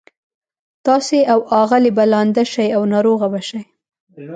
تاسي او آغلې به لانده شئ او ناروغه به شئ.